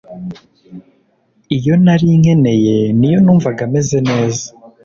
iyo ntari nkeneye, niko numvaga meze neza.